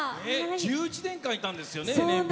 １１年間いたんですよね。